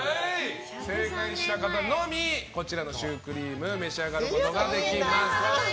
正解した方のみこちらのシュークリーム召し上がることができます。